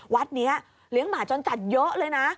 วัดนี้เลี้ยงหมาจรจัดเยอะเลยนะ